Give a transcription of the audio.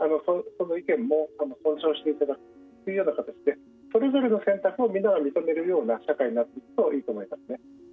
その意見も尊重していただくというような形でそれぞれの選択をみんなが認めるような社会になっていくといいと思いますね。